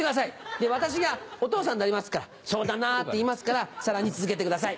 で私がお父さんになりますから「そうだな」って言いますからさらに続けてください。